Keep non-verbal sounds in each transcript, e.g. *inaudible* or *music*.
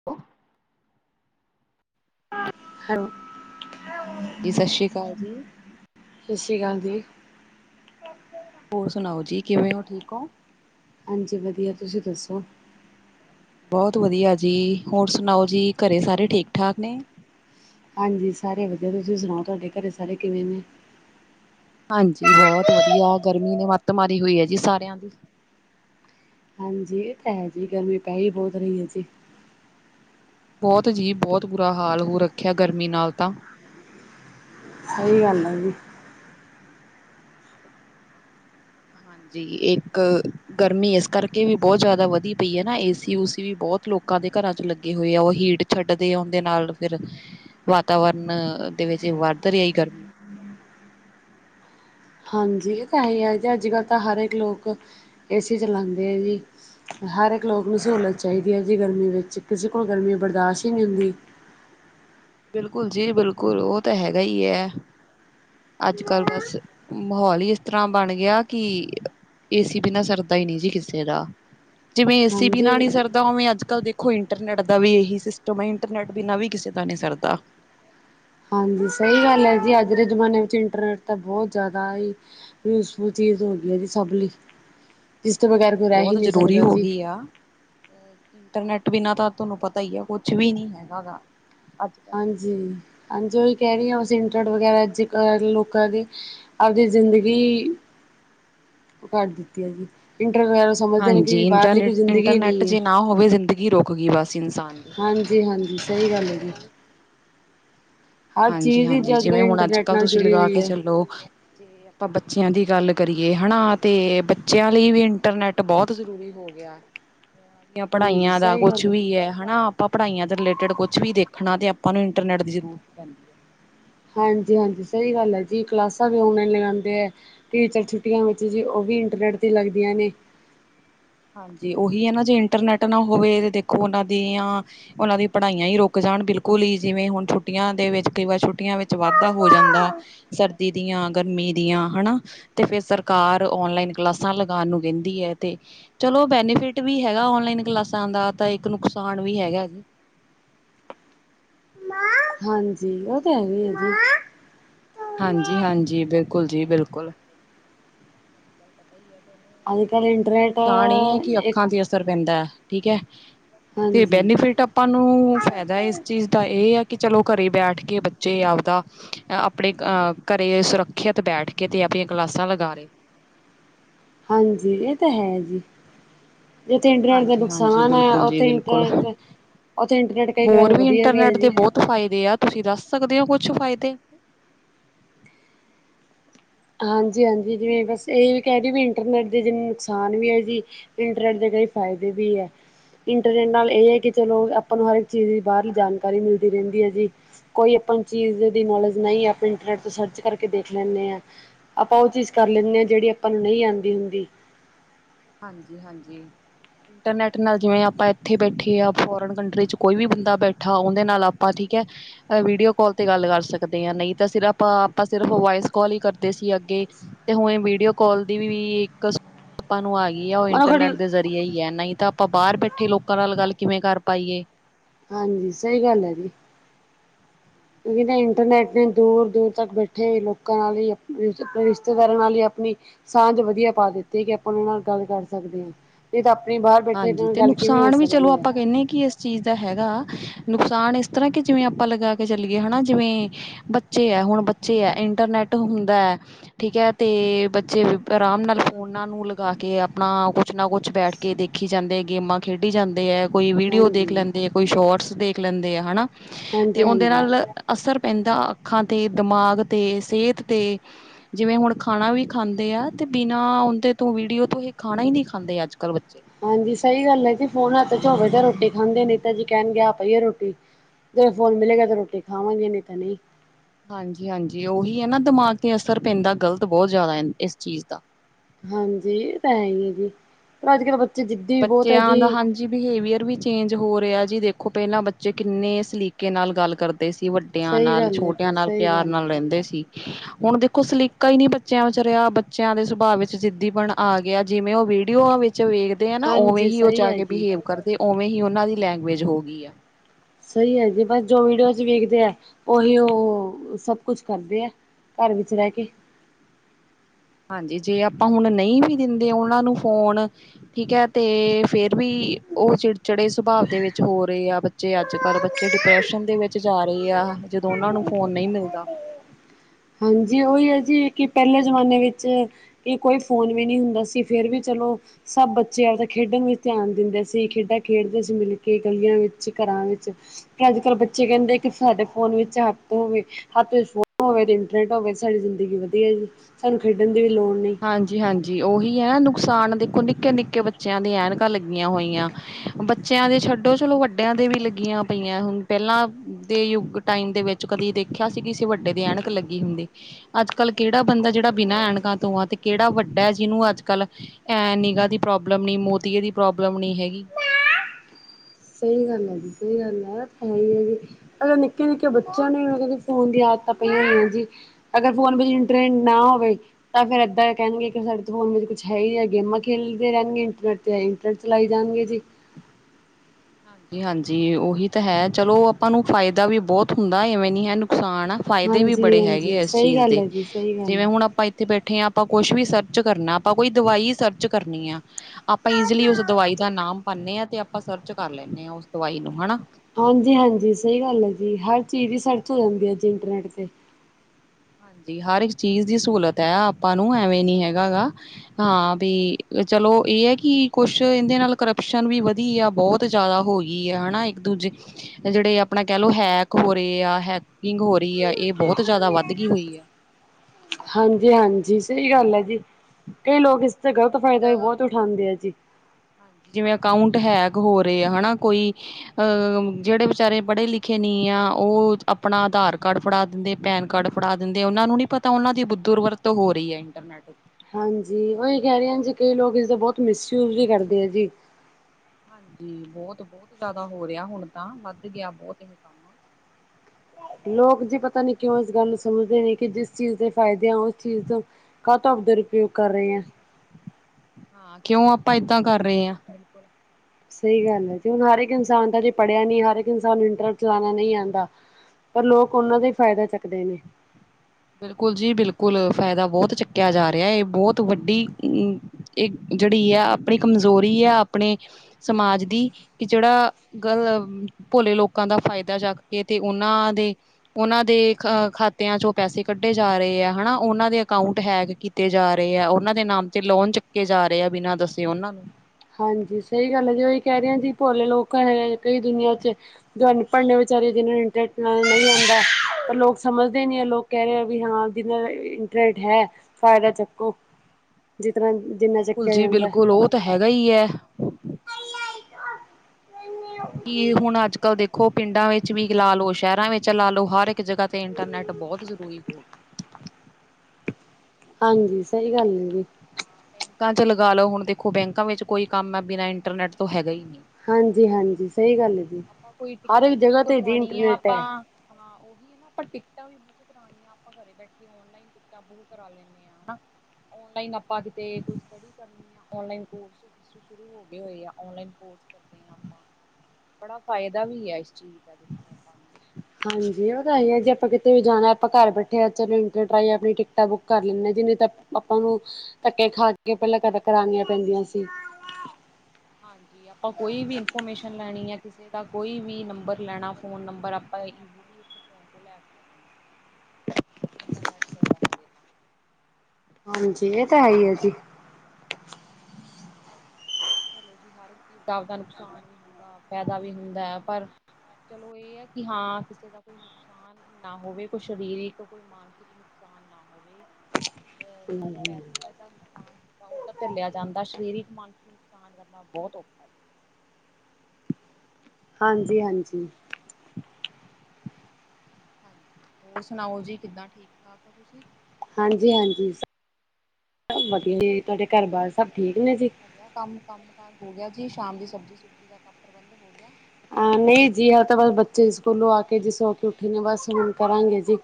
*unintelligible* Hello ਹਾਂਜੀ ਸਤਿ ਸ਼੍ਰੀ ਅਕਾਲ ਜੀ ਸਤਿ ਸ੍ਰੀ ਅਕਾਲ ਜੀ ਹੋਰ ਸੁਣਾਓ ਜੀ ਕਿਵੇਂ ਹੋ ਠੀਕ ਹੋ ਹਾਂਜੀ ਵਧੀਆ ਤੁਸੀਂ ਦੱਸੋ ਬਹੁਤ ਵਧੀਆ ਜੀ ਹੋਰ ਸੁਣਾਓ ਜੀ ਘਰੇ ਸਾਰੇ ਠੀਕ ਠਾਕ ਨੇ ਹਾਂਜੀ ਸਾਰੇ ਵਧੀਆ ਤੁਸੀਂ ਸੁਣਾਓ ਤੁਹਾਡੇ ਘਰੇ ਸਾਰੇ ਕਿਵੇਂ ਨੇ ਹਾਂਜੀ, ਬਹੁਤ ਵਧੀਆ ਗਰਮੀ ਨੇ ਮੱਤ ਮਾਰੀ ਹੋਈ ਹੈ ਜੀ ਸਾਰਿਆਂ ਦੀ। ਹਾਂਜੀ, ਇਹ ਤਾਂ ਹੈ ਜੀ ਗਰਮੀ ਪੈ ਹੀ ਬਹੁਤ ਰਹੀ ਐ ਜੀ। ਬਹੁਤ ਜੀ ਬਹੁਤ ਬੁਰਾ ਹਾਲ ਹੋ ਰੱਖਿਆ ਗਰਮੀ ਨਾਲ ਤਾਂ। ਸਹੀ ਗੱਲ ਆ ਜੀ। ਹਾਂਜੀ ਇੱਕ ਗਰਮੀ ਇਸ ਕਰਕੇ ਵੀ ਬਹੁਤ ਜ਼ਿਆਦਾ ਵਧੀ ਪਈ ਆ ਨਾ ਏਸੀ ਊਸੀ ਵੀ ਬਹੁਤ ਲੋਕਾਂ ਦੇ ਘਰਾਂ ਚ ਲੱਗੇ ਹੋਏ ਆ ਉਹ ਹੀਟ ਛੱਡਦੇ ਆ ਦੇ ਨਾਲ ਫਿਰ ਵਾਤਾਵਰਨ ਦੇ ਵਿੱਚ ਵੱਧ ਰਹੀ ਗਰਮੀ ਹਾਂਜੀ ਤਾਂ ਹੀ ਹੈ ਜੀ ਅੱਜ ਕੱਲ ਤਾਂ ਹਰੇਕ ਲੋਕ ਏਸੀ ਚਲਾਉਂਦੇ ਆ ਜੀ ਹਰ ਇੱਕ ਲੋਕ ਨੂੰ ਸਹੂਲਤ ਚਾਹੀਦੀ ਹੈ ਜੀ ਗਰਮੀ ਵਿੱਚ ਕਿਸੇ ਕੋਲ ਗਰਮੀ ਬਰਦਾਸ਼ਤ ਹੀ ਨਹੀਂ ਹੁੰਦੀ ਬਿਲਕੁਲ ਜੀ ਬਿਲਕੁਲ ਉਹ ਤਾਂ ਹੈਗਾ ਹੀ ਹੈ। ਅੱਜ ਕੱਲ ਬਸ ਮਾਹੌਲ ਹੀ ਇਸ ਤਰ੍ਹਾਂ ਬਣ ਗਿਆ ਕਿ ਏਸੀ ਬਿਨਾਂ ਸਰਦਾ ਹੀ ਨੀ ਜੀ ਕਿਸੇ ਦਾ ਜਿਵੇਂ ਏਸੀ ਹਾਂਜੀ ਬਿਨਾ ਨੀ ਸਰਦਾ। ਤਾਂ ਓਵੇ ਅੱਜ ਕੱਲ੍ਹ ਦੇਖੋ ਇੰਟਰਨੈੱਟ ਦਾ ਵੀ ਇਹੀ ਸਿਸਟਮ ਐ ਇੰਟਰਨੈਟ ਬਿਨਾਂ ਵੀ ਕਿਸੇ ਦਾ ਨੀ ਸਰਦਾ। ਹਾਂਜੀ, ਸਹੀ ਗੱਲ ਐ ਜੀ ਅੱਜ ਦੇ ਜ਼ਮਾਨੇ ਵਿੱਚ ਇੰਟਰਨੈੱਟ ਤਾਂ ਬਹੁਤ ਜ਼ਿਆਦਾ ਹੀ ਯੂਸਫੁਲ ਚੀਜ਼ ਹੋ ਗਈ ਐ ਜੀ ਸਭ ਲਈ ਜਿਸਦੇ ਬਗ਼ੈਰ ਕੋਈ ਹਾਂਜੀ ਰਹਿ ਹੀ ਬਹੁਤ ਨੀ ਜ਼ਰੂਰੀ ਸਕਦਾ ਹੋ ਜੀ। ਗਈ ਆ ਇੰਟਰਨੈਟ ਬਿਨਾਂ ਤਾਂ ਤੁਹਾਨੂੰ ਪਤਾ ਈ ਆ ਕੁਛ ਵੀ ਨੀ ਹੈਗਾ ਗਾ। ਅੱਜ ਕੱਲ ਹਾਂਜੀ ਹਾਂਜੀ, ਉਹੀ ਕਹਿ ਰਹੀ ਹਾਂ ਅਸੀਂ ਇੰਟਰਨੈਟ ਵਗੈਰਾ ਅੱਜਕੱਲ ਲੋਕਾਂ ਦੀ ਆਪਦੀ ਜ਼ਿੰਦਗੀ ਕੱਟ ਦਿੱਤੀ *unintelligible* ਸਮਝਦੇ ਨੇ ਕਿ ਬਾਹਰਲੀ ਕੋਈ ਜ਼ਿੰਦਗੀ ਨਹੀਂ ਐ। ਓਵੇਂ ਜ਼ਿੰਦਗੀ ਰੁਕ ਗਈ ਬਸ ਇਨਸਾਨ ਦੀ। ਹਾਂਜੀ ਹਾਂਜੀ, ਸਹੀ ਗੱਲ ਆ ਜੀ। ਹਰ ਹਾਂਜੀ ਚੀਜ਼ ਹੀ ਹਾਂਜੀ, ਕੱਲ੍ਹ ਜਿਵੇਂ ਹੁਣ ਅੱਜ ਇੰਟਰਨੈਟ ਕਲ ਨਾਲ ਤੁਸੀਂ ਜੁੜੀ ਲਗਾ ਹੋਈ ਕੇ ਹੈ। ਚਲੋ ਆਪਾਂ ਬੱਚਿਆਂ ਦੀ ਗੱਲ ਕਰੀਏ ਨਾ ਤੇ ਬੱਚਿਆਂ ਲਈ ਵੀ ਇੰਟਰਨੈਟ ਬਹੁਤ ਜ਼ਰੂਰੀ ਹੋ ਗਿਆ। ਉਹ ਦੀਆਂ ਹਾਂਜੀ ਪੜ੍ਹਾਈਆਂ ਦਾ ਸਹੀ ਕੁਛ ਗੱਲ ਹੈ ਜੀ ਵੀ ਐ। ਹਨਾ ਆਪਾਂ ਪੜ੍ਹਾਈਆਂ ਦੇ ਰਿਲੇਟਿਡ ਕੁਛ ਵੀ ਦੇਖਣਾ ਤੇ ਆਪਾਂ ਨੂੰ ਇੰਟਰਨੈਟ ਦੀ ਜ਼ਰੂਰਤ ਪੈਂਦੀ। ਹਾਂਜੀ ਹਾਂਜੀ, ਸਹੀ ਗੱਲ ਐ ਜੀ ਕਲਾਸਾਂ ਵੀ ਔਨਲਾਈਨ ਲਗਾਂਦੇ ਆ। ਟੀਚਰ ਛੁੱਟੀਆਂ ਵਿੱਚ ਜੀ ਉਹ ਵੀ ਇੰਟਰਨੈੱਟ 'ਤੇ ਲੱਗਦੀਆਂ ਨੇ। ਹਾਂਜੀ, ਉਹੀ ਆ ਨਾ ਜੀ ਜੇ ਇੰਟਰਨੈਟ ਨਾ ਹੋਵੇ ਦੇਖੋ ਉਹਨਾਂ ਦੀਆਂ ਉਹਨਾਂ ਦੀ ਪੜ੍ਹਾਈਆਂ ਹੀ ਰੁਕ ਜਾਣ ਬਿਲਕੁਲ ਹੀ ਜਿਵੇਂ ਹੁਣ ਛੁੱਟੀਆਂ ਦੇ ਵਿੱਚ ਕਈ ਵਾਰ ਛੁੱਟੀਆਂ ਵਿੱਚ ਵਾਧਾ ਹੋ ਜਾਂਦਾ। ਸਰਦੀ ਦੀਆਂ ਗਰਮੀ ਦੀਆਂ ਹਨਾ। ਤੇ ਫੇਰ ਸਰਕਾਰ ਓਨਲਾਈਨ ਕਲਾਸਾਂ ਲਗਾਣ ਨੂੰ ਕਹਿੰਦੀ ਐ ਤੇ। ਚਲੋ ਬੈਨੀਫਿਟ ਵੀ ਹੈਗਾ ਓਨਲਾਈਨ ਕਲਾਸਾਂ ਦਾ ਤਾਂ ਇੱਕ ਨੁਕਸਾਨ ਵੀ ਹੈਗਾ ਜੀ। ਹਾਂਜੀ, ਉਹ ਤਾਂ ਹੈਗੇ ਹੈਈ ਜੀ। ਹਾਂਜੀ ਹਾਂਜੀ, ਬਿਲਕੁਲ ਜੀ ਬਿਲਕੁਲ। ਅੱਜ ਕੱਲ੍ਹ ਇੰਟਰਨੈਟ ਨੁਕਸਾਨ ਏ ਆ ਕਿ ਇੱਕ ਅੱਖਾਂ ਤੇ ਅਸਰ ਪੈਂਦਾ। ਠੀਕ ਐ ਤੇ ਹਾਂਜੀ-ਹਾਂਜੀ ਬੈਨੀਫਿਟ ਆਪਾਂ ਨੂੰ ਫਾਇਦਾ ਇਸ ਚੀਜ਼ ਦਾ ਇਹ ਆ ਕਿ ਚਲੋ ਘਰੇ ਬੈਠ ਕੇ ਬੱਚੇ ਆਪਦਾ ਆਪਣੇ ਅ ਘਰੇ ਸੁਰੱਖਿਅਤ ਬੈਠ ਕੇ ਤੇ ਆਪਣੀ ਆਂ ਕਲਾਸਾਂ ਲਗਾ ਰਹੇ। ਹਾਂਜੀ, ਇਹ ਤਾਂ ਹੈ ਜੀ। ਜਿੱਥੇ ਇੰਟਰਨੈਟ ਦਾ ਹਾਂਜੀ-ਹਾਂਜੀ, ਨੁਕਸਾਨ ਐ ਬਿਲਕੁਲ ਜੀ ਉੱਥੇ ਬਿਲਕੁਲ ਇੰਟਰਨਟ ਉਥੇ ਇੰਟਰਨੈਟ ਕਈ ਤਰਾਂ ਦਾ ਹੋਰ ਵਧੀਆ ਵੀ। ਹੈ ਇੰਟਰਨੈਟ ਦੇ ਜੀ ਬਹੁਤ ਫਾਇਦੇ ਆ ਤੁਸੀਂ ਦੱਸ ਸਕਦੇ ਓ ਕੁਛ ਫ਼ਾਇਦੇ। ਹਾਂਜੀ ਹਾਂਜੀ, ਜਿਵੇਂ ਬਸ ਇਹ ਵੀ ਕਹਿ ਰਹੀ ਵੀ ਇੰਟਰਨੈੱਟ ਦੇ ਜਿੰਨੇ ਨੁਕਸਾਨ ਵੀ ਐ ਜੀ। ਇੰਟਰਨੈਟ ਦੇ ਕਈ ਫਾਇਦੇ ਵੀ ਐ। ਇੰਟਰਨੈਟ ਨਾਲ ਇਹ ਆ ਕਿ ਚਲੋ ਆਪਾਂ ਨੂੰ ਹਰ ਇੱਕ ਚੀਜ਼ ਦੀ ਬਾਹਰਲੀ ਜਾਣਕਾਰੀ ਮਿਲਦੀ ਰਹਿੰਦੀ ਆ ਜੀ। ਕੋਈ ਆਪਾਂ ਚੀਜ਼ ਦੀ ਨੌਲੇਜ ਨਹੀਂ ਆਪਾਂ ਇੰਟਰਨੈੱਟ ਤੋਂ ਸਰਚ ਕਰਕੇ ਦੇਖ ਲੈਂਦੇ ਆ। ਆਪਾਂ ਉਹ ਚੀਜ਼ ਕਰ ਲੈਂਦੇ ਆ ਜਿਹੜੀ ਆਪਾਂ ਨੂੰ ਨਹੀਂ ਆਂਦੀ ਹੁੰਦੀ। ਹਾਂਜੀ ਹਾਂਜੀ, ਇੰਟਰਨੈਟ ਨਾਲ ਜਿਵੇਂ ਆਪਾਂ ਇੱਥੇ ਬੈਠੇ ਆ ਫੋਰਨ ਕੰਟਰੀ ਚ ਕੋਈ ਵੀ ਬੰਦਾ ਬੈਠਾ ਉਹਦੇ ਨਾਲ ਆਪਾਂ ਠੀਕ ਐ। ਵੀਡੀਓ ਕਾਲ ਤੇ ਗੱਲ ਕਰ ਸਕਦੇ ਆ ਨਹੀਂ ਤਾਂ ਸਿਰਫ ਆਪਾਂ ਸਿਰਫ ਵੋਇਸ ਕਾਲ ਹੀ ਕਰਦੇ ਸੀ ਅੱਗੇ ਤੇ ਹੁਣ ਏ ਵੀਡੀਓ ਕਾਲ ਦੀ ਵੀ ਇੱਕ ਆਪਾਂ ਨੂੰ ਆ ਗਈ ਆ ਉਹ ਮਨੋ ਖੜੀ ਇੰਟਰਨੈਟ ਦੇ ਜ਼ਰੀਏ ਈ ਆ ਨਹੀਂ ਤਾਂ ਆਪਾਂ ਬਾਹਰ ਬੈਠੇ ਲੋਕਾਂ ਨਾਲ ਗੱਲ ਕਿਵੇਂ ਕਰ ਪਾਈਏ। ਹਾਂਜੀ, ਸਹੀ ਗੱਲ ਐ ਜੀ। ਕਿਉਂਕਿ ਇੰਟਰਨੈੱਟ ਨੇ ਦੂਰ ਦੂਰ ਤੱਕ ਬੈਠੇ ਲੋਕਾਂ ਨਾਲ ਹੀ ਰਿਸ਼ਤੇਦਾਰਾਂ ਨਾਲ ਹੀ ਆਪਣੀ ਸਾਂਝ ਵਧੀਆ ਪਾ ਦਿੱਤੀ ਕਿ ਆਪਾਂ ਉਹਨਾਂ ਨਾਲ ਗੱਲ ਕਰ ਸਕਦੇ ਆ। ਇਹ ਤਾਂ ਆਪਣੀ ਬਾਹਰ ਹਾਂਜੀ ਤੇ ਨੁਕਸਾਨ ਵੀ ਚਲੋ ਸਕਦੀ ਹੈ ਆਪਾਂ ਕਹਿੰਦੇ ਹਾਂ ਕਿ ਇਸ ਚੀਜ਼ ਦਾ ਹੈਗਾ ਨੁਕਸਾਨ ਇਸ ਤਰ੍ਹਾਂ ਕਿ ਜਿਵੇਂ ਆਪਾਂ ਲਗਾ ਕੇ ਚੱਲਏ ਹਨਾ ਜਿਵੇਂ ਬੱਚੇ ਹੈ ਹੁਣ ਬੱਚੇ ਹੈ ਇੰਟਰਨੈਟ ਹੁੰਦਾ ਹੈ ਠੀਕ ਹੈ ਅਤੇ ਬੱਚੇ ਆਰਾਮ ਨਾਲ ਫੋਨਾਂ ਨੂੰ ਲਗਾ ਕੇ ਆਪਣਾ ਕੁਛ ਨਾ ਕੁਛ ਬੈਠ ਕੇ ਕੇ ਦੇਖੀ ਜਾਂਦੇ ਹੈ ਗੇਮਾਂ ਖੇਡੀ ਜਾਂਦੇ ਹੈ ਕੋਈ ਵੀਡੀਓ ਦੇਖ ਹਾਂਜੀ। ਲੈਂਦੇ ਆ ਕੋਈ ਸ਼ੋਰਟਸ ਦੇਖ ਲੈਂਦੇ ਆ ਹੈਨਾ ਤੇ ਉਹਦੇ ਹਾਂਜੀ-ਹਾਂਜੀ, ਹਾਂਜੀ ਨਾਲ ਅਸਰ ਪੈਂਦਾ ਅੱਖਾਂ ਤੇ ਦਿਮਾਗ ਤੇ ਸਿਹਤ ਤੇ ਜਿਵੇਂ ਹੁਣ ਖਾਣਾ ਵੀ ਖਾਂਦੇ ਆ ਤੇ ਬਿਨਾਂ ਉਹਦੇ ਤੋਂ ਵੀਡੀਓ ਤੋਂ ਇਹ ਖਾਣਾ ਹੀ ਨਹੀਂੀ ਖਾਂਦੇ ਅੱਜ ਕੱਲ ਬੱਚੇ ਹਾਂਜੀ ਸਹੀ ਗੱਲ ਹੈ ਜੀ ਫੋਨ ਹੱਥ ਚ ਹੋਵੇ ਤਾਂ ਰੋਟੀ ਖਾਂਦੇ ਨੀ ਤਾਂ ਜੀ ਕਹਿਣ ਗਿਆ ਪਈਏ ਰੋਟੀ ਜੈ ਫੋਨ ਮਿਲੇਗਾ ਤਾਂ ਰੋਟੀ ਖਾਵਾਂਗੇ ਨਹੀਂ ਤਾਂ ਨਹੀਂ ਹਾਂਜੀ ਹਾਂਜੀ ਉਹੀ ਹੈ ਨਾ ਦਿਮਾਗ ਤੇ ਅਸਰ ਪੈਂਦਾ ਗ਼ਲਤ ਬਹੁਤ ਜ਼ਿਆਦਾ ਇਸ ਚੀਜ਼ ਦਾ ਹਾਂਜੀ ਇਹ ਤਾਂ ਹੈ ਹੀ ਹੈ ਜੀ ਪਰ ਅੱਜ ਕੱਲ ਬੱਚੇ ਜਿੱਦੀ ਬਹੁਤ ਹੈ ਬੱਚਿਆਂ ਦਾ ਹਾਂਜੀ ਜੀ ਬਿਹੇਵੀਅਰ ਵੀ ਚੇਂਜ ਹੋ ਰਿਹਾ ਜੀ ਦੇਖੋ ਪਹਿਲਾਂ ਬੱਚੇ ਕਿੰਨੇ ਸਲੀਕੇ ਨਾਲ ਗੱਲ ਕਰਦੇ ਸੀੱ ਵੱਡੀਆਂ ਸਹੀ ਨਾਲ ਗੱਲ ਹੈ ਛੋਟਿਆਂ ਜੀ ਨਾਲ ਸਹੀ ਪਿਆਰ ਗੱਲ ਨਾਲ ਹੈ। ਰਹਿੰਦੇ ਸੀ ਹੁਣ ਦੇਖੋ ਸਲੀਕਾ ਹੀ ਨੀ ਬੱਚਿਆਂ ਵਿਚ ਰਿਹਾ ਬੱਚਿਆਂ ਦੇ ਸੁਭਾਅ ਵਿੱਚ ਜਿੱਦੀ ਬਣ ਆ ਗਿਆ ਜਿਵੇਂ ਉਹ ਵੀਡੀਓ ਵਿੱਚ ਵੇਖਦੇ ਆ ਨਾ ਉਵੇਂ ਹਾਂਜੀ ਹੀ ਉਹ ਸਹੀ ਜਾ ਹੈ ਕੇ ਜੀ। ਬਿਹੇਵ ਕਰਦੇ ਤੇ ਉਵੇਂ ਹੀ ਉਹਨਾਂ ਦੀ ਲੈਂਗੁਏਜ ਹੋ ਗਈ ਆ ਸਹੀ ਹੈ ਜੀ ਬਸ ਜੋ ਵੀਡੀਓ ਚ ਵੇਖਦੇ ਆ ਉਹੀ ਉਹ ਸਭ ਕੁਛ ਕਰਦੇ ਆ ਘਰ ਵਿੱਚ ਰਹਿ ਕੇ ਹਾਂਜੀ ਜੇ ਆਪਾਂ ਹੁਣ ਨਹੀਂ ਵੀ ਦਿੰਦੇ ਉਹਨਾਂ ਨੂੰ ਫੋਨ ਠੀਕ ਹੈ ਤੇ ਫੇਰ ਵੀ ਉਹ ਚਿੜਚਿੜੇ ਸੁਭਾਅ ਦੇ ਵਿੱਚ ਹੋ ਰਹੇ ਆ ਜੇ ਅੱਜ ਕੱਲ੍ਹ ਬੱਚੇ ਡਿਪਰੈਸ਼ਨ ਦੇ ਵਿੱਚ ਜਾ ਰਹੇ ਆ ਜਦੋਂ ਉਹਨਾਂ ਨੂੰ ਫੋਨ ਨਹੀਂ ਮਿਲਦਾ ਹਾਂਜੀ ਉਹੀ ਹੈ ਜੀ ਕਿ ਪਹਿਲੇ ਜ਼ਮਾਨੇ ਵਿੱਚ ਕਿ ਕੋਈ ਫੋਨ ਵੀ ਨਹੀਂ ਹੁੰਦਾ ਸੀ ਫੇਿਰ ਵੀ ਚਲੋ ਸਭ ਬੱਚੇ ਆਪ ਤਾਂ ਖੇਡਣ ਵਿੱਚ ਧਿਆਨ ਦਿੰਦੇ ਸੀ ਖੇਡਾਂ ਖੇਡਦੇ ਸੀ ਮਿਲ ਕੇ ਗਲੀਆਂ ਵਿੱਚ ਘਰਾਂ ਵਿੱਚ ਪਰ ਅੱਜ ਕੱਲ੍ਹ ਬੱਚੇ ਕਹਿੰਦੇ ਕਿ ਸਾਡੇ ਫੋਨ ਵਿੱਚ ਹੱਥ ਹੋਵੇ ਹੱਥ ਵਿੱਚ ਫੋਨ ਹੋਵੇ ਟਰੇਂਡ ਹੋਵੇ ਸਾਡੀ ਜ਼ਿੰਦਗੀ ਵਧੀਆ ਜੀ ਸਾਨੂੰ ਖੇਡਣ ਦੀ ਵੀ ਲੋੜ ਨਹੀਂ ਹਾਂਜੀ ਹਾਂਜੀ ਉਹੀ ਹੈ ਨੁਕਸਾਨ ਦੇਖੋ ਨਿੱਕੇ ਨਿੱਕੇ ਬੱਚਿਆਂ ਦੇ ਐਨਕਾਂ ਲੱਗੀਆਂ ਹੋਈਆਂ ਬੱਚਿਆਂ ਦੇ ਛੱਡੋ ਚਲੋ ਵੱਡਿਆਂ ਦੇ ਵੀ ਲੱਗੀਆਂ ਪਈਆਂ ਹੁਣ ਪਹਿਲਾਂ ਦੇ ਯੁੱਗ ਟਾਈਮ ਦੇ ਵਿੱਚ ਕਦੀ ਦੇਖਿਆ ਸੀ ਕਿ ਕਿਸੇ ਵੱਡੇ ਦੀ ਐਨਕ ਲੱਗੀ ਹੁੰਦੀ ਅੱਜ ਕੱਲ੍ਹ ਕਿਹੜਾ ਬੰਦਾ ਜਿਹੜਾ ਬਿਨਾਂ ਐਨਕਾਂ ਤੋਂ ਆ ਤੇ ਕਿਹੜਾ ਵੱਡਾ ਜਿਹਨੂੰ ਅੱਜ ਕੱਲ ਐ ਨਿਗਾਾ ਦੀ ਪ੍ਰੋਬਲਮ ਨੀ ਮੋਤੀਏ ਦੀ ਪ੍ਰੋਬਲਮ ਨੀ ਹੈਗੀ ਸਹੀ ਗੱਲ ਹੈ ਜੀ ਸਹੀ ਗੱਲ ਹੈ ਹੈ ਜ ਅਹ ਨਿਕੇ ਨਿੱਕੇ ਬੱਚਿਆਂ ਨੂੰ ਵੀ ਮੈਂ ਕਦੇ ਫੋਨ ਦੀ ਆਦਤਾਂ ਪਈਆਂ ਹੋੁੰਦੀਆਂ ਜੀ ਅਗਰ ਫੋਨ ਵਿੱਚ ਇੰਟਰੈਂਟ ਨਾ ਹੋਵੇ ਤਾਂ ਫੇਿਰ ਇੱਦਾਂ ਕਹਿਣਗੇ ਕਿ ਸਾਡੇ ਫੋਨ ਵਿੱਚ ਕੁਛ ਹੈ ਹੀ ਹੈ ਗੇਮਾਂ ਖੇਡਦੇ ਰਹਿਣਗੇ ਇੰਟਰਨੈਟ ਤੇ ਇੰਟਰ ਚਲਾਈ ਜਾਣਗੇ ਜੀ ਹਾਂਜੀ ਹਾਂਜੀ ਉਹੀ ਤਾਂ ਹੈ ਚਲੋ ਆਪਾਂ ਨੂੰ ਫਾਇਦਾ ਵੀ ਬਹੁਤ ਹੁੰਦਾ ਇਵੇਂ ਨੀ ਹੈ ਨੁਕਸਾਨ ਫਾਇਦੇ ਵੀ ਹਾਂਜੀ ਬੜੇ ਹੈਗੇ ਹਾਂਜੀ ਆ ਇਸ ਸਹੀ ਚੀਜ਼ ਗੱਲ ਦੇ ਹੈ ਜੀ ਸਹੀ ਗੱਲ ਜਿਵੇਂ ਹੈ ਹੁਣ ਆਪਾਂ ਤੇ ਬੈਠੇ ਹਾਂ ਆਪਾਂ ਕੁਛ ਵੀ ਸਰਚ ਕਰਨਾ ਆਪਾਂ ਕੋਈ ਦਵਾਈ ਸਰਚ ਕਰਨੀ ਆ ਆਪਾਂ ਈਜ਼ਲੀ ਉਸ ਦਵਾਈ ਦਾ ਨਾਮ ਪਾਨਦੇ ਹਾਂ ਤੇ ਆਪਾਂ ਸਰਚ ਕਰ ਲੈਂਦੇ ਹਾਂ ਉਸ ਦਵਾਈ ਨੂੰ ਹੈਾ ਹਾਂਜੀ ਹਾਂਜੀ ਸਹੀ ਗੱਲ ਹੈ ਜੀ ਹਰ ਚੀਜ਼ ਦੀ ਸਰਚ ਹੋ ਜਾਂਦੀ ਹੈੱ ਜੀ ਇੰਟਰਨੈੱਟ 'ਤੇ ਹਾਂਜੀ ਹਰ ਇੱਕ ਚੀਜ਼ ਦੀ ਸਹੂਲਤ ਹੈ ਆਪਾਂ ਨੂੰ ਐਵੇਂ ਨੀ ਹੈਗਾ ਗਾ ਹਾਂ ਵੀ ਚਲੋ ਇਹ ਹੈ ਕਿ ਕੁਛ ਇਹਦੇ ਨਾਲ ਕਰਪਸ਼ਨ ਵੀ ਵਧੀ ਆ ਬਹੁਤ ਜ਼ਿਆਦਾ ਹੋ ਗਈ ਹੈ ਹਨਾ ਇੱਕ ਦੂਜੇ ਇਹ ਜਿਹੜੇ ਆਪਣਾ ਕਹਿ ਲੋ ਹੈਕ ਹੋ ਰਹੇ ਆ ਹੈਕਿੰਗ ਹੋ ਰਹੀ ਆ ਇਹ ਬਹੁਤ ਜਿਆਦਾ ਵੱਧ ਗਈ ਹੋਈ ਆ ਹਾਂਜੀ-ਹਾਂਜੀ, ਸਹੀ ਗੱਲ ਹੈ ਜੀ ਕਈ ਲੋਕ ਇਸ ਤੇ ਗ਼ਲਤ ਫਾਇਦਾ ਵੀ ਅਕਾਊਂਟ ਬਹੁਤ ਉਠਾਉਂਦੇ ਆ ਜੀ। ਹਾਂਜੀ, ਜਿਵੇਂ ਅਕਾਉਂਟ ਹੈਗ ਹੋ ਰਹੇ ਆ ਹਨਾ, ਕੋਈ ਅਹ ਜਿਹੜੇ ਵਿਚਾਰੇ ਪੜ੍ਹੇ ਲਿਖੇ ਨਹੀਂ, ਆ ਉਹ ਆਪਣਾ ਆਧਾਰ ਕਾਰਡ ਫੜਾ ਦਿੰਦੇ ਪੈਨ ਕੜ ਫੜਾ ਦਿੰਦੇ ਆ, ਉਹਨਾਂ ਨੂੰ ਨੀ ਪਤਾ ਉਹਨਾਂ ਦੀ ਦੁਰਵਰਤ ਹੋ ਰਹੀ ਹੈ, ਇੰਟਰਨੈਟ ਹਾਂਜੀ, ਉਹੀ ਕਹਿ ਰਹੀ ਆ ਜੀ ਕਈ ਲੋਕ ਇਸਦਾ ਬਹੁਤ ਮਿਸਯੂਜ ਵੀ ਕਰਦੇ ਆ ਜੀ। ਹਾਂਜੀ ਬਹੁਤ ਬਹੁਤ ਜ਼ਿਆਦਾ ਹੋ ਰਿਹਾ ਹੁਣ ਤਾਂ ਵੱਧ ਗਿਆ ਬਹੁਤ ਇਹ ਕੰਮ ਲੋਕ ਜੀ ਪਤਾ ਨਹੀਂ ਕਿਉਂ ਇਸ ਗੱਲ ਨੂੰ ਸਮਝਦੇ ਨੇ ਕਿ ਜਿਸ ਚੀਜ਼ ਦੇ ਫਾਇਦੇ ਆ ਉਸ ਚੀਜ਼ ਤੋਂ ਗਲਤ ਦਰ ਉਪਯੋਗ ਕਰ ਰਹੇ ਆਂ। ਹਾਂ ਕਿਉਂ ਆਪਾਂ ਏਦਾਂ ਕਰ ਰਹੇ ਹਾਂ। ਬਿਲਕੁਲ ਸਹੀ ਗੱਲ ਹੈ, ਤੇ ਹੁਣ ਹਰ ਇੱਕ ਇਨਸਾਨ ਦਾ ਜੇ ਪੜ੍ਹਿਆ ਨਹੀਂ ਹਰ ਇੱਕ ਇਨਸਾਨ ਇੰਟਰਸਟ ਚਲਾਉਣਾ ਨਹੀਂ ਆਉਂਦਾ। ਪਰ ਲੋਕ ਉਹਨਾਂ ਦਾ ਹੀ ਫਾਇਦਾ ਚੁੱਕਦੇ ਨੇ, ਬਿਲਕੁਲ ਜੀ ਬਿਲਕੁਲ ਫਾਇਦਾ ਬਹੁਤ ਚੱਕਿਆ ਜਾ ਰਿਹਾ, ਇਹ ਬਹੁਤ ਵੱਡੀ ਇਹ ਜਿਹੜੀ ਹੈ, ਆਪਣੀ ਕਮਜ਼ੋਰੀ ਹੈ, ਆਪਣੇ ਸਮਾਜ ਦੀ ਕਿ ਜਿਹੜਾ ਗਲ ਭੋਲੇ ਲੋਕਾਂ ਦਾ ਫਾਇਦਾ ਚੱਕ ਕੇ ਤੇ ਉਹਨਾਂ ਦੇ ਉਹਨਾਂ ਦੇ ਅ ਖਾਤਿਆਂ ਚੋਂ, ਪੈਸੇ ਕੱਢੇ ਜਾ ਰਹੇ ਆ ਹਨਾ, ਉਹਨਾਂ ਦੇ ਅਕਾਊਂਟ ਹੈਕ ਕੀਤੇ ਜਾ ਰਹੇ ਆ, ਉਹਨਾਂ ਦੇ ਨਾਮ ਤੇ ਲੋਨ ਕੇ ਜਾ ਰਹੇ ਆ, ਬਿਨਾਂ ਦੱਸਿਓ ਉਹਨਾਂ ਨੂੰ ਹਾਂਜੀ ਸਹੀ ਗੱਲ ਹੈ, ਜੀ ਉਹੀ ਕਹਿ ਰਹੇ ਜੀ ਭੋਲੇ ਲੋਕ ਹੈਗੇ ਕਈ ਦੁਨੀਆਂ ਚ ਸਾਨੂੰ ਪੜ੍ਹਨੇ ਵਿਚਾਰੇ ਜਿਨ ਨੂੰ ਇੰਟਰਟ ਨਹੀਂ ਆਉਂਦਾ, ਪਰ ਲੋਕ ਸਮਝਦੇ ਨੀ ਹੈ ਲੋਕ ਕਹਿ ਰਹਾ ਵੀ ਹਾਂ ਜਿੰਨਾ ਇੰਟਰਸਟ ਹੈ, ਫਾਇਦਾ ਚੱਕੋ ਜਿਸ ਤਰ੍ਹਾਂ ਜਿੰਨਾ ਬਿਲਕੁਲ ਚੱਕਿਆ ਜੀ ਜਾਂਦਾ ਬਿਲਕੁਲ ਉਹ ਤਾਂ ਹੈਗਾ ਹੀ ਹੈ। ਬਾਕੀ ਹੁਣ ਅੱਜ-ਕੱਲ੍ਹ ਦੇਖੋ ਦੇਖੋ ਪਿੰਡਾਂ ਵਿੱਚ ਵੀ ਲਾ ਲਓ, ਸ਼ਹਿਰਾਂ ਵਿੱਚ ਲਾਲੋ ਹਰ ਇੱਕ ਜਗ੍ਹਾ ਤੇ ਇੰਟਰਨੈਟ ਬਹੁਤ ਜ਼ਰੂਰੀ ਹੋ ਹਾਂਜੀ, ਸਹੀ ਗੱਲ ਹੈ ਜੀ। ਹਾਂ ਬੈਂਕਾਂ ਚ ਲਗਾ ਲਓ, ਹੁਣ ਦੇਖੋ ਬੈਂਕਾਂ ਵਿੱਚ ਕੋਈ ਕੰਮ ਹੈ, ਬਿਨਾਂ ਇੰਟਰਨੈਟ ਤੋਂ ਹੈਗਾ ਹੀ ਨਹੀਂ ਹਾਂਜੀ-ਹਾਂਜੀ, ਸਹੀ ਗੱਲ ਹੈ, ਜੀ ਆਪਾਂ ਕੋਈ ਹਰ ਟਿਕਟ ਇੱਕ ਵੀ ਜਗ੍ਹਾ ਬੁੱਕ ਤੇ ਜੀ ਕਰਾਣੀ ਇੰਟਰਨੈਟ ਹੈ। *unintelligible* ਆਪਾਂ ਘਰੇ ਬੈਠੇ ਔਨਲਾਈਨ ਟਿਕਟਾਂ ਬੁੱਕ ਕਰਾ ਲੈਂਦੇ ਹਾਂ, ਔਨਲਾਈਨ ਆਪਾਂ ਕਿਤੇ ਕੋਈ ਸਟੱਡੀ ਕਰਨੀ ਆ ਔਨਲਾਈਨ ਕੋਰਸ ਸ਼ੁਰੂ ਹੋ ਗਏ ਹੋਏ ਆ ਔਨਲਾਈਨ ਕੋਰਸ ਕਰਦੇ ਹਾਂ ਆਪਾਂ, ਬੜਾ ਫਾਇਦਾ ਵੀ ਆ ਇਸ ਚੀਜ਼ ਦਾ ਦੇਖੋ ਆਪਾਂ ਨੂੰ ਹਾਂਜੀ ਉਹ ਤਾਂ ਹੈ ਜੀ, ਆਪਾਂ ਕਿਤੇ ਵੀ ਜਾਣਾ ਆਪਾਂ ਘਰ ਬੈਠੇ ਚਲੋ ਇੰਟਰਨੈਟ ਆਈ ਆਪਣੀ ਟਿਕਟਾਂ ਬੁੱਕ ਕਰ ਲੈਂਦੇ ਹਾਂ, ਜਿੰਨੇ ਤਾਂ ਆਪਾਂ ਆਪਾ ਨੂੰ ਧੱਕੇ ਖਾ ਕੇ ਪਹਿਲਾਂ ਕਰ ਕਰਉਣੀਆਂ ਪੈਂਦੀਆਂ ਸੀ। ਹਾਂਜੀ, ਆਪਾਂ ਕੋਈ ਵੀ ਇਨਫੋਰਮੇਸ਼ਨ ਲੈਣੀ ਐ, ਜਾਂ ਕਿਸੇ ਦਾ ਕੋਈ ਵੀ ਨੰਬਰ ਲੈਣਾ ਫੋਨ ਨੰਬਰ ਆਪਾਂ ਫੋਨ ਤੋਂ ਲੈ ਸਕਦੇ ਆ, ਇੰਟਰਨੈਟ ਚੱਲਦਾ ਹੋਵੇ ਤਾਂ ਹਾਂਜੀ ਇਹ ਤਾਂ ਹੈ ਹੀ ਹੈ ਜੀ, *unintelligible* ਫਾਇਦਾ ਵੀ ਹੁੰਦਾ ਹੈ, ਪਰ ਚਲੋ ਇਹ ਹੈ, ਕਿ ਹਾਂ ਕਿਸੇ ਦਾ ਕੋਈ ਨੁ ਨੁਕਸਾਨ ਨਾ ਹੋਵੇ, ਕੋਈ ਸਰੀਰਕ ਕੋਈ ਮਾਨਸਿਕ ਨੁਕਸਾਨ ਨਾ ਹੋਵੇ। ਚਲੋ, ਪੈਸੇ ਦਾ ਨੁਕਸਾਨ ਉਹ ਤਾਂ ਲਿਆ, ਜਾਂਦਾ ਸਰੀਰਕ ਮਸ ਕਰਨਾ ਬਹੁਤ ਔਖਾ, ਹਾਂਜੀ-ਹਾਂਜੀ, ਹਾਂਜੀ, ਹੋਰ ਸੁਣਾਓ ਜੀ ਕਿੱਦਾਂ? ਠੀਕ ਠਾਕ ਹੋ ਤੁਸੀਂ? ਹਾਂਜੀ-ਹਾਂਜੀ, ਵਧੀਆ ਜੀ ਤੁਹਾਡੇ ਘਰ ਬਰ ਸਭ ਠੀਕ ਨੇ ਜੀ? ਕੰਮ-ਕੰਮ ਕਾਰ ਹੋ ਗਿਆ, ਜੀ ਸ਼ਾਮ ਦੀ ਸਬਜ਼ੀ ਸੁਬਜੀ ਦਾ ਕੰਮ ਪ੍ਰਬੰਧ ਹੋ ਗਿਆ। ਅਹ ਨਹੀਂ ਜੀ ਆ ਤਾਂ ਬਸ ਬੱਚੇ ਸਕੂਲੋਂ ਆ ਕੇ ਜੀ ਸੋ ਕੇ ਉੱਠੇ ਨੇ ਬਸ ਹੁਣ ਕਰਾਂਗੇ ਜੀ।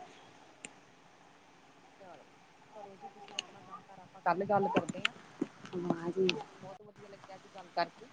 ਜੀ ਤੁਸੀਂ ਆਪਣਾ ਕੰਮ ਕਾਰ ਆਪਾਂ ਕੱਲ ਗੱਲ ਕਰਦੇ ਆ, ਜੀ। ਬਹੁਤ ਵਧੀਆ ਲੱਗਿਆ ਸੀ ਗੱਲ ਕਰਕੇ,